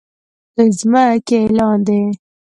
د ځمکې لاندې